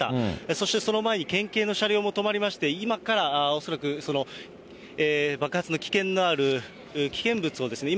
そして、その前に県警の車両も止まりまして、今から恐らく、その爆発の危険のある危険物を今。